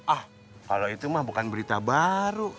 ah kalau itu mah bukan berita baru